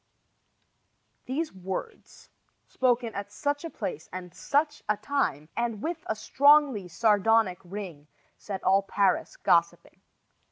These words, spoken at such a place and such a time, and with a strongly sardonic ring, set all Paris gossiping.